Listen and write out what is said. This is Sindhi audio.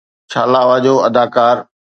چالاوا جو اداڪار